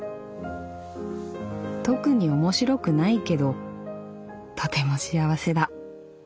「特におもしろくないけどとても幸せだ。